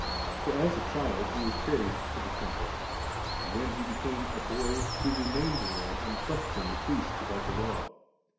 For as a child He was carried to the Temple ; and when He became a boy, He remained there, and questioned the priests about the Law.